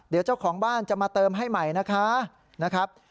เดี๋ยวเจ้าของบ้านจะมาเติมให้ใหม่นะคะ